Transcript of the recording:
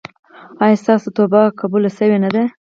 ایا ستاسو توبه قبوله شوې نه ده؟